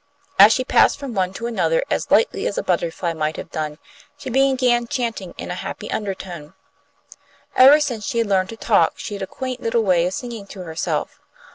As she passed from one to another as lightly as a butterfly might have done, she began chanting in a happy undertone. Ever since she had learned to talk she had a quaint little way of singing to herself.